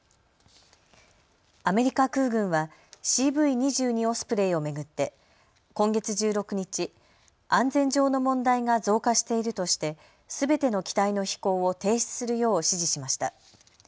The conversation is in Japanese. アメリカ空軍はＣＶ２２オスプレイを巡って今月１６日、安全上の問題が増加しているとしてすべての機体の飛行を停止するよう指示しました。